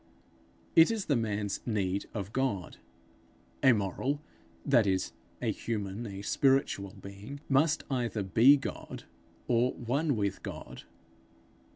It is the man's need of God. A moral, that is, a human, a spiritual being, must either be God, or one with God.